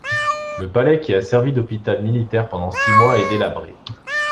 Le palais qui a servi d'hôpital militaire pendant six mois est délabré.